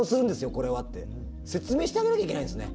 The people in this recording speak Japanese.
これはって説明してあげなきゃいけないんですね。